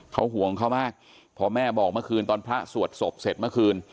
เขาห่วงเขามากพอแม่บอกเมื่อคืนตอนพระสวดศพเสร็จเมื่อคืน